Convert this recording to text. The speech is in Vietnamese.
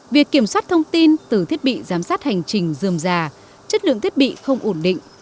việc kiểm soát thông tin từ thiết bị giám sát hành trình dườm già chất lượng thiết bị không ổn định